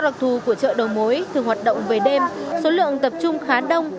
do lọc thù của chợ đầu mối thường hoạt động về đêm số lượng tập trung khá đông